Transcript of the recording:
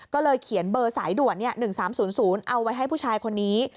ก็เลยเขียนเบอร์สายด่วน๑๓๐๐เอาไว้ให้ผู้ชายคนนี้